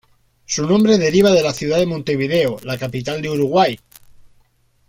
Su nombre deriva de la ciudad de Montevideo, la capital de Uruguay.